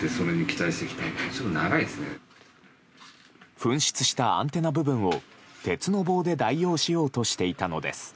紛失したアンテナ部分を鉄の棒で代用しようとしていたのです。